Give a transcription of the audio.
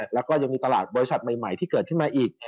แล้วก็ยังมีตลาดบริษัทใหม่ที่เกิดขึ้นมาอีก